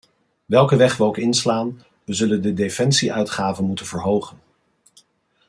Welke weg we ook inslaan, we zullen de defensie-uitgaven moeten verhogen.